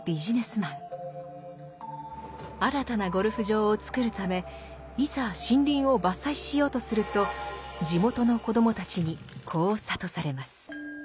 新たなゴルフ場をつくるためいざ森林を伐採しようとすると地元の子どもたちにこう諭されます。